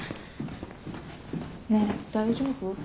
ねえ大丈夫？